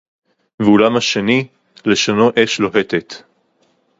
וְאוּלָם הַשֵּׁנִי – לְשׁוֹנוֹ אֵשׁ לוֹהֶטֶת